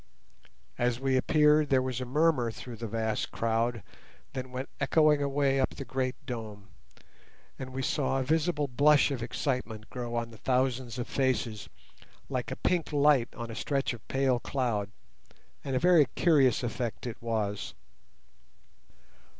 As we appeared there was a murmur through the vast crowd that went echoing away up the great dome, and we saw a visible blush of excitement grow on the thousands of faces, like a pink light on a stretch of pale cloud, and a very curious effect it was.